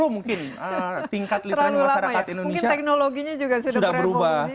tiga puluh mungkin tingkat literasi masyarakat indonesia sudah berubah